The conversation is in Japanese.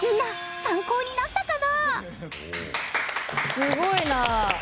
すごいな。